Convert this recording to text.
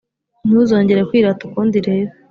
ntuzongere kwirata ukundi rero.